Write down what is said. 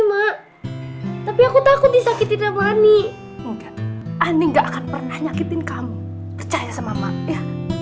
mak tapi aku takut disakitin sama mani enggak ani enggak akan pernah nyakitin kamu percaya sama mak ya